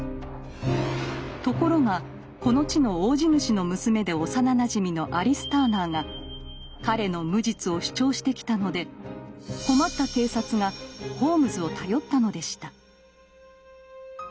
ところがこの地の大地主の娘で幼なじみのアリス・ターナーが彼の無実を主張してきたので困った警察がホームズを頼ったのでした。